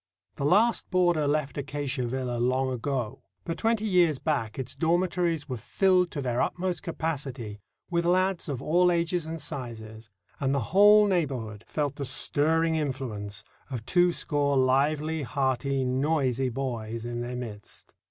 The last boarder left Acacia Villa long ago, but twenty years back its dormitories were filled to their utmost capacity with lads of all ages and sizes, and the whole neighbourhood felt the stirring influence of twoscore lively, hearty, noisy boys in its midst.